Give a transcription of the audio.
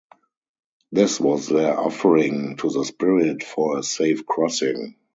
This was their offering to the spirit for a safe crossing.